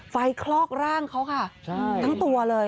คลอกร่างเขาค่ะทั้งตัวเลย